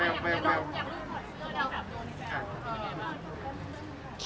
อยากลุกถดเจ้าแดวแบบโดนแบบ